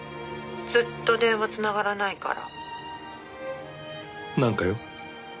「ずっと電話繋がらないから」なんか用？